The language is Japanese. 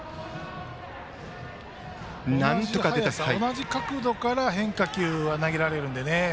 同じ角度から変化球を投げられるので。